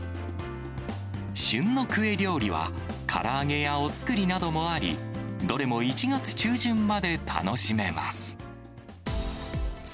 旬のクエ料理は、から揚げやお造りなどもあり、どれも１月中旬まで楽しめます。